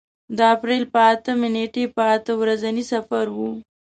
د اپرېل په اتمې نېټې په اته ورځني سفر و.